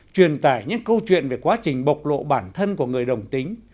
truyền tải những câu chuyện về quá trình bộc lộ bản thân của người đồng tính